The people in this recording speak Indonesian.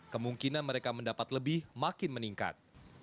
kemungkinan mereka mendapat lebih makin meningkat